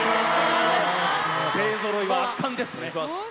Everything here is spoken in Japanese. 勢ぞろいは圧巻ですね。